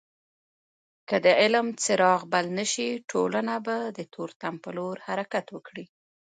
که د علم څراغ بل نسي ټولنه به د تورتم په لور حرکت وکړي.